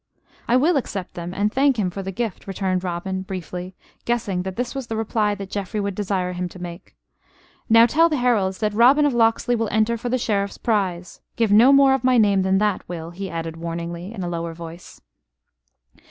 "I will accept them, and thank him for the gift," returned Robin, briefly, guessing that this was the reply that Geoffrey would desire him to make. "Now tell the heralds that Robin of Locksley will enter for the Sheriff's prize. Give no more of my name than that, Will," he added warningly, in a lower voice.